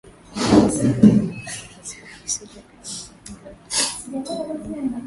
Rais Samia amelipongeza na kulishukuru Kanisa hilo la Anglikana Tanzania